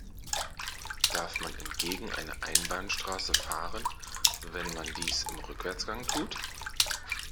Darf man entgegen einer Einbahnstraße fahren, wenn man dies im Rückwärtsgang tut?